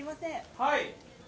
はい。